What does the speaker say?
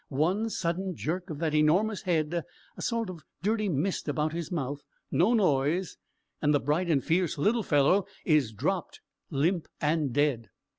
one sudden jerk of that enormous head, a sort of dirty mist about his mouth, no noise and the bright and fierce little fellow is dropped, limp, and dead.